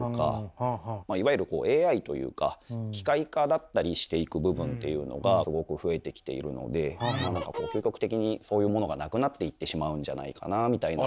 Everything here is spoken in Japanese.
いわゆるＡＩというか機械化だったりしていく部分というのがすごく増えてきているので究極的にそういうものがなくなっていってしまうんじゃないかなみたいな。